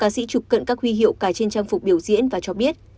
năm ca sĩ chụp cận các huy hiệu cài trên trang phục biểu diễn và cho biết